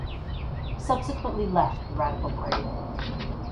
He subsequently left the Radical Party.